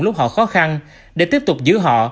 lúc họ khó khăn để tiếp tục giữ họ